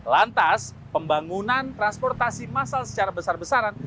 lantas pembangunan transportasi massal secara besar besaran